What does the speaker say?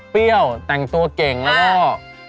เปรี้ยวแต่งตัวเก่งแล้วก็